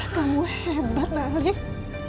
kamu hebat alif